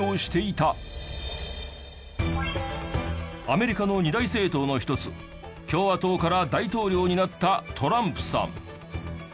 アメリカの二大政党の一つ共和党から大統領になったトランプさん。